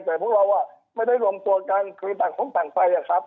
แต่พวกเราไม่ได้รวมตัวกันคือต่างคนต่างไปอะครับ